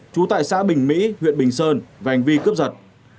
chú tại xã bình mỹ huyện bình sơn và hành vi cướp giật